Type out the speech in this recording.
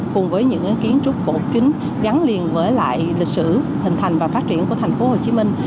cùng với những kiến trúc cổ kính gắn liền với lại lịch sử hình thành và phát triển của thành phố hồ chí minh